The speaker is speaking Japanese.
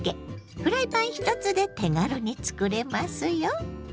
フライパン１つで手軽につくれますよ。